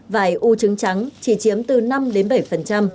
vải u trứng trắng chỉ chiếm từ năm đến bảy